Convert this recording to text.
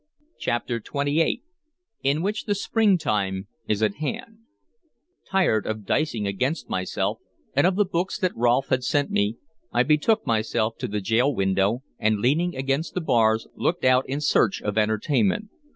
CHAPTER XXVIII IN WHICH THE SPRINGTIME IS AT HAND TIRED of dicing against myself, and of the books that Rolfe had sent me, I betook myself to the gaol window, and, leaning against the bars, looked out in search of entertainment.